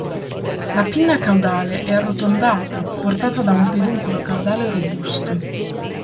La pinna caudale è arrotondata, portata da un peduncolo caudale robusto.